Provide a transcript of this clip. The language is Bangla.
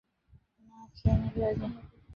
না, খেয়ে নেবে আগে?